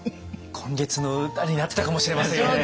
「今月の歌」になってたかもしれませんよね。